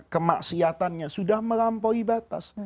kemaksiatannya sudah melampaui batas